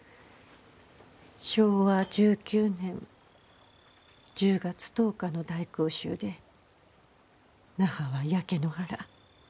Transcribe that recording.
昭和１９年１０月１０日の大空襲で那覇は焼け野原